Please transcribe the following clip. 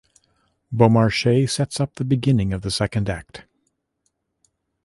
Beaumarchais sets up the beginning of the second act.